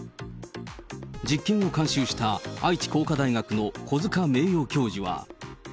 実験を監修した愛知工科大学の小塚名誉教授は。